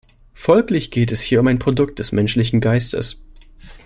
Folglich geht es hier um ein Produkt des menschlichen Geistes.